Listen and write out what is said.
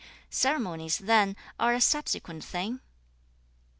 3. 'Ceremonies then are a subsequent thing?'